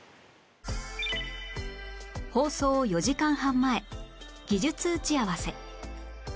放送４時間半前技術打ち合わせ